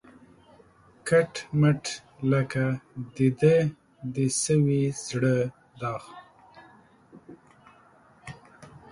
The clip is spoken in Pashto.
کټ مټ لکه د ده د سوي زړه داغ